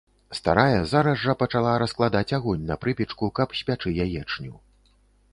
Старая зараз жа пачала раскладаць агонь на прыпечку, каб спячы яечню.